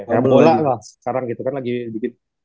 karena bola sekarang gitu kan lagi bikin